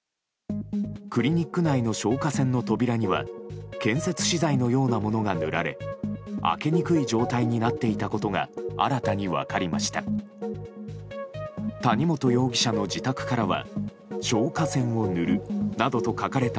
クリニック内の消火栓の扉には建設資材のようなものが塗られ開けにくい状態になっていたことが新たに分かりました。